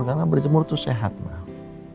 karena berjemur tuh sehat mak